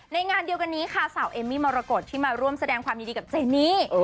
งานเดียวกันนี้ค่ะสาวเอมมี่มรกฏที่มาร่วมแสดงความยินดีกับเจนี่